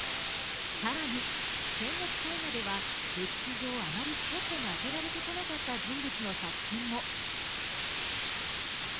更に戦国大河では歴史上あまりスポットが当てられてこなかった人物の作品も。